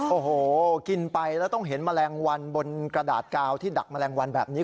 โอ้โหกินไปแล้วต้องเห็นแมลงวันบนกระดาษกาวที่ดักแมลงวันแบบนี้